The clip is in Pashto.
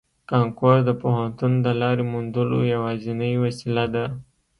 کانکور د پوهنتون د لارې موندلو یوازینۍ وسیله ده